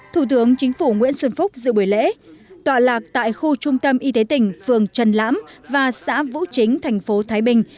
thủ tướng chính phủ nguyễn xuân phúc dự buổi lễ tọa lạc tại khu trung tâm y tế tỉnh phường trần lãm và xã vũ chính thành phố thái bình